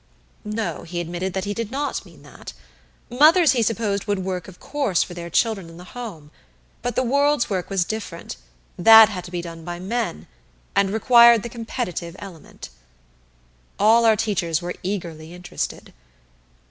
No, he admitted that he did not mean that. Mothers, he supposed, would of course work for their children in the home; but the world's work was different that had to be done by men, and required the competitive element. All our teachers were eagerly interested.